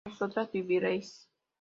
vosotras viviréis